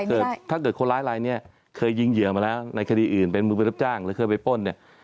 ถ้าเกิดถ้าเกิดคนร้ายลายนี้เคยยิงเหยื่อมาแล้วในคดีอื่นเป็นมือไปรับจ้างหรือเคยไปป้นเนี่ย